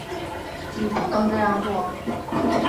你不能这样做